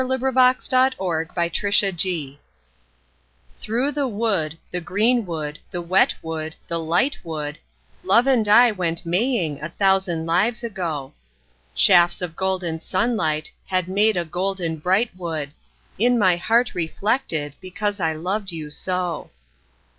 ROSEMARY 51 THROUGH THE WOOD THKOUGH the wood, the green wood, the wet wood, the light wood, Love and I went maying a thousand lives ago ; Shafts of golden sunlight had made a golden bright wood In my heart reflected, because I loved you so.